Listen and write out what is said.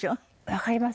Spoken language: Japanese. わかりますね。